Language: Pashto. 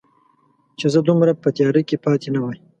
چې زه دومره په تیاره کې پاتې نه وای